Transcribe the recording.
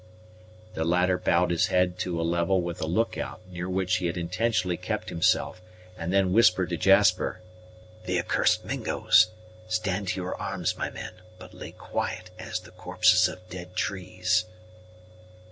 The latter bowed his head to a level with a look out near which he had intentionally kept himself and then whispered to Jasper, "The accursed Mingos! Stand to your arms, my men, but lay quiet as the corpses of dead trees!"